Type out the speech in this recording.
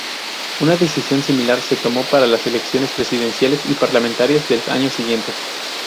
Una decisión similar se tomó para las elecciones presidenciales y parlamentarias del año siguiente.